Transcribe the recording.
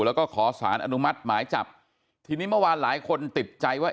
แล้วก็ขอสารอนุมัติหมายจับทีนี้เมื่อวานหลายคนติดใจว่า